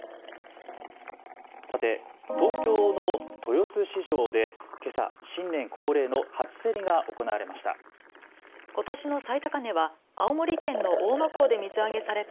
さて東京の豊洲市場でけさ、新年恒例の初競りが行われました。